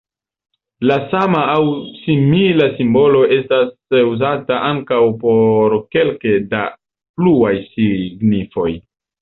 La sama aŭ simila simbolo estas uzata ankaŭ por kelke da pluaj signifoj.